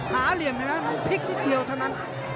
หาเหลี่ยมใช่ไหมน้องพลิกนิดเดียวเท่านั้น